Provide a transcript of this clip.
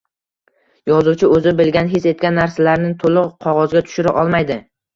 Yozuvchi o‘zi bilgan, his etgan narsalarni to‘liq qog‘ozga tushira olmaydi.